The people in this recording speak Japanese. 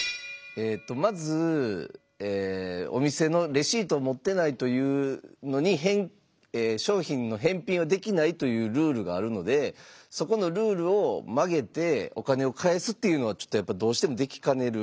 まずお店のレシートを持ってないというのに商品の返品はできないというルールがあるのでそこのルールを曲げてお金を返すっていうのはちょっとやっぱどうしてもできかねる。